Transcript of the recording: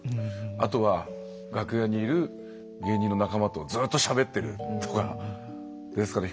あとは楽屋にいる芸人の仲間とずっとしゃべってるとかですかね。